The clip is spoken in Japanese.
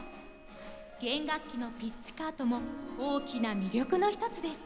弦楽器のピチカートも大きな魅力の一つです。